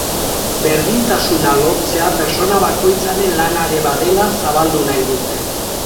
Berdintasuna lortzea pertsona bakoitzaren lana ere badela zabaldu nahi dute.